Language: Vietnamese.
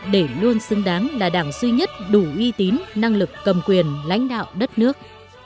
để luôn xứng đáng là đảng duy nhất đủ uy tín năng lực cầm quyền lãnh đạo đất nước